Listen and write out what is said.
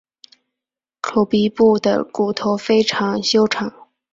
口鼻部的骨头非常修长。